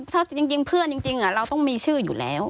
ถ้าจริงเพื่อนจริงเราต้องมีชื่ออยู่แล้ว